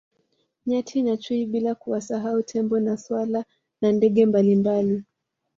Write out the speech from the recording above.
Nyati na chui bila kuwasahau tembo na swala na ndege mbalimbali